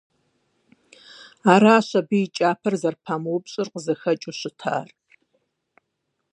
Аращ абы и кӀапэр зэрыпамыупщӀыр къызыхэкӀыу щытар.